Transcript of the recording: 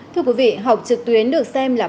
thưa quý vị học trực tuyến được xem là